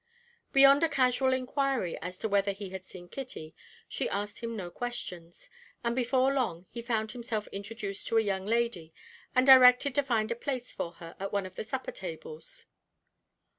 Beyond a casual inquiry as to whether he had seen Kitty, she asked him no questions, and before long he found himself introduced to a young lady, and directed to find a place for her at one of the supper tables.